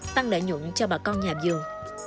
tăng lợi nhuận cho bà con nhà vườn